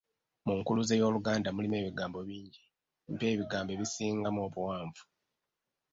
Mu nkuluze y'Oluganda mulimu ebigambo bingi, mpa ebigambo ebisingamu obuwanvu?